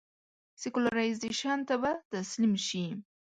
سیکولرایزېشن ته به تسلیم شي.